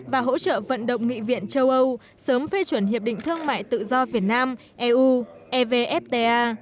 và hỗ trợ vận động nghị viện châu âu sớm phê chuẩn hiệp định thương mại tự do việt nam eu evfta